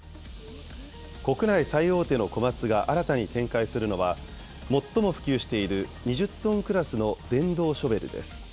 国内最大手のコマツが新たに展開するのは、最も普及している２０トンクラスの電動ショベルです。